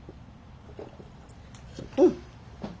うん。